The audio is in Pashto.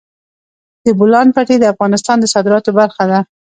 د بولان پټي د افغانستان د صادراتو برخه ده.